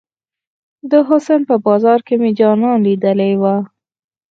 د حسن په بازار کې مې جانان ليدلی وه.